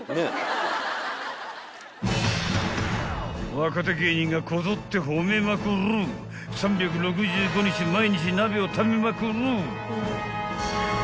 ［若手芸人がこぞって褒めまくる３６５日毎日鍋を食べまくる］